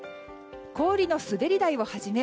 氷の滑り台をはじめ